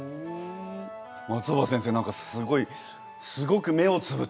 松尾葉先生何かすごいすごく目をつぶってうなずいていますが。